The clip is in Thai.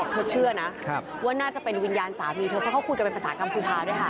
เธอเชื่อนะว่าน่าจะเป็นวิญญาณสามีเธอเพราะเขาคุยกันเป็นภาษากัมพูชาด้วยค่ะ